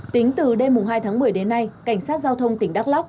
tính từ đêm hai tháng một mươi đến nay cảnh sát giao thông tỉnh đắk lắc